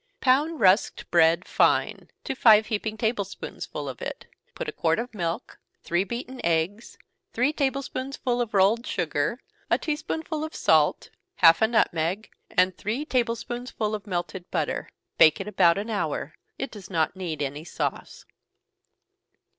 _ Pound rusked bread fine to five heaping table spoonsful of it, put a quart of milk, three beaten eggs, three table spoonsful of rolled sugar, a tea spoonful of salt, half a nutmeg, and three table spoonsful of melted butter. Bake it about an hour it does not need any sauce.